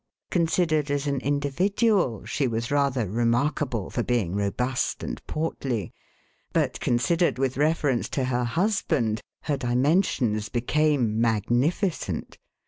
Considered as an individual, she was rather re markable for being robust and portly ;' but considered with reference to her husband, her dimensions became magnificent.